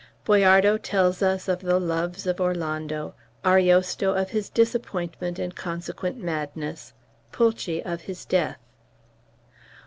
Boiardo tells us of the loves of Orlando, Ariosto of his disappointment and consequent madness, Pulci of his death.